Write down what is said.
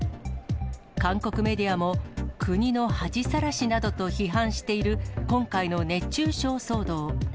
韓国メディアも、国の恥さらしなどと批判している、今回の熱中症騒動。